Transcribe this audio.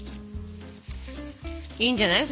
いいんじゃない？